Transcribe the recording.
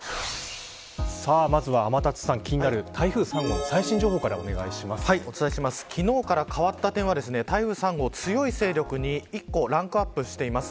まずは天達さん、気になる台風３号の最新情報から昨日から変わった点は台風３号強い勢力に一個ランクアップしています。